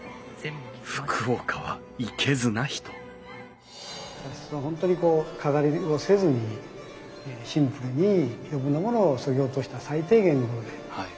福岡はいけずな人茶室は本当にこう飾りをせずにシンプルに余分なものをそぎ落とした最低限なもので。